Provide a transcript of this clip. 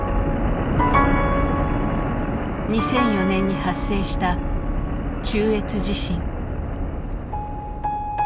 ２００４年に発生した中越地震。